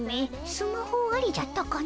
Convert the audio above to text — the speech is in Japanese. スマホありじゃったかの？